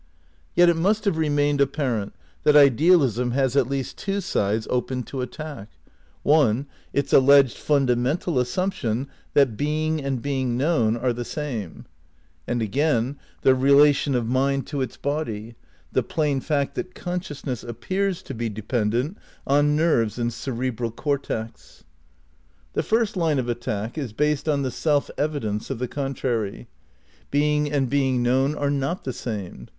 Yet it must have remained apparent that idealism has at least two sides open to attack : one, its alleged fundamental assumption that being and being known are the same; and again, the relation of mind to its body, the plain fact that consciousness appears to be dependent on nerves and cerebral cortex. 260 VIII RECONSTRUCTION OF IDEALISM 261 The first line of attack is based on the self evidence of the contrary. Being and being known are not the same.